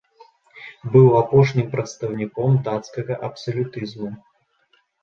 Быў апошнім прадстаўніком дацкага абсалютызму.